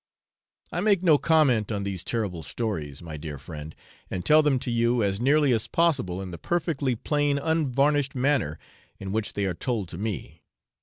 I make no comment on these terrible stories, my dear friend, and tell them to you as nearly as possible in the perfectly plain unvarnished manner in which they are told to me.